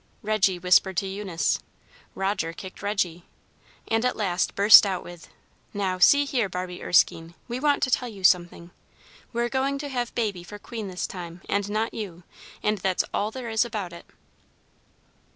Reggy whispered to Eunice, Roger kicked Reggy, and at last burst out with, "Now, see here, Barbie Erskine, we want to tell you something. We're going to have Baby for queen this time, and not you, and that's all there is about it."